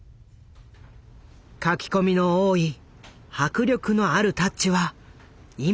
描き込みの多い迫力のあるタッチは今も健在だ。